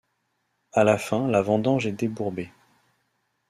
À la fin la vendange est débourbée.